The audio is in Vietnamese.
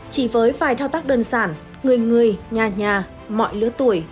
chỉ với vài thao tác đơn giản người người nhà nhà mọi lứa tuổi